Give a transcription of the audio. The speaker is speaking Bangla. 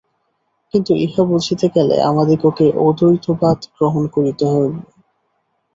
কিন্তু ইহা বুঝিতে গেলে আমাদিগকে অদ্বৈতবাদ গ্রহণ করিতে হইবে।